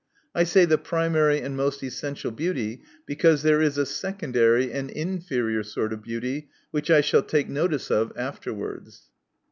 I say, the ■prima ry and most essential beauty — because there is a secondary and inferior sort oi beauty ; which I shall take notice of afterwards.